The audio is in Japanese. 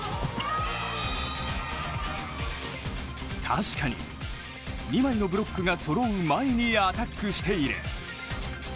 確かに二枚のブロックがそろう前にアタックしている。